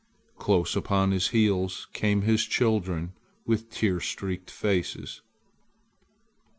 Close upon his heels came his children with tear streaked faces.